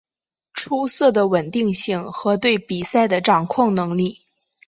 出色的稳定性和对比赛的掌控能力。